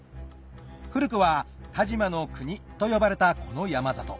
古くは但馬国と呼ばれたこの山里